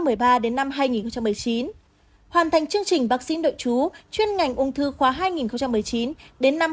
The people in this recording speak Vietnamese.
hoàn thành chương trình bác sĩ đội chú chuyên ngành ung thư khoa hai nghìn một mươi chín hai nghìn hai mươi hai